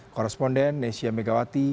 korresponden nesya megawati